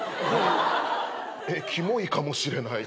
えっキモいかもしれない。